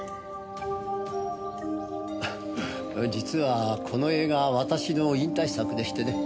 実はこの映画私の引退作でしてね。